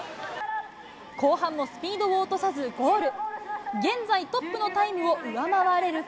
後半もスピードを落とさずゴール。